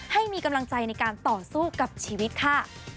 ให้มีกำลังใจในการต่อสู้กับชีวิตค่ะ